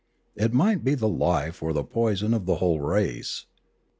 It might be the life or the poison of the whole race.